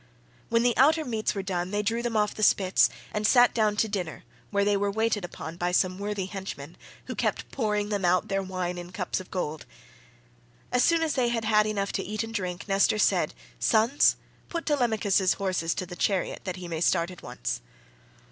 When the outer meats were done they drew them off the spits and sat down to dinner where they were waited upon by some worthy henchmen, who kept pouring them out their wine in cups of gold. As soon as they had had enough to eat and drink Nestor said, "Sons, put Telemachus's horses to the chariot that he may start at once."